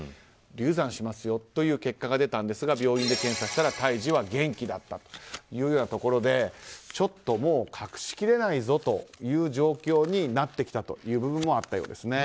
流産しますよといった結果が出たんですが病院で検査したら胎児は元気だったというところで隠しきれないぞという状況になってきた部分もあったようです。